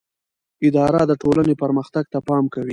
اداره د ټولنې پرمختګ ته پام کوي.